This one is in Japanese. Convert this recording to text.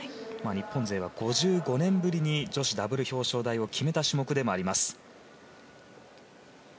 日本勢は５５年ぶりに女子ダブル表彰台を決めた種目でもあります。